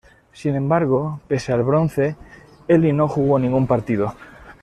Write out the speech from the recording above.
Sin embargo, pese al bronce, Eli no jugó ningún partido.